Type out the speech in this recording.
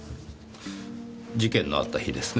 事件のあった日ですね。